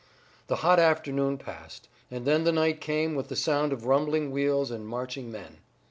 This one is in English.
The hot afternoon passed, and then the night came with the sound of rumbling wheels and marching men.